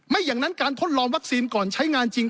อย่างนั้นการทดลองวัคซีนก่อนใช้งานจริง